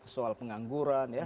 soal pengangguran ya